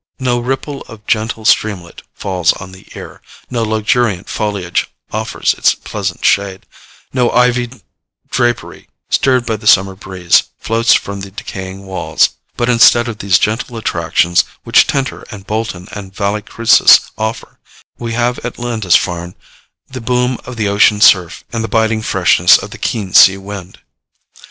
No ripple of gentle streamlet falls on the ear; no luxuriant foliage offers its pleasant shade; no ivy drapery, stirred by the summer breeze, floats from the decaying walls; but instead of these gentle attractions, which Tinter and Bolton and Valle Crucis offer, we have at Lindisfarn the boom of the ocean surf and the biting freshness of the keen sea wind.